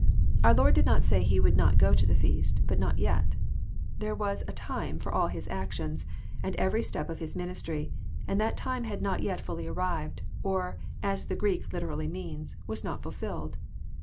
Our Lord did not say He would not go to the feast, but not yet. There was " a time " for all His actions, and every step of His ministry, and that time had not yet fliUy arrived ; or, as the Greek literally means, was not fulfilled."